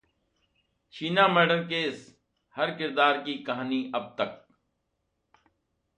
Sheena murder case- हर किरदार की कहानी अब तक